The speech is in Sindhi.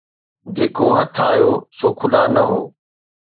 جيڪو هٿ آيو سو خدا نه هو